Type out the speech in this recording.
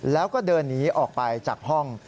แล้วก็เดินหนีออกไปจากห้อง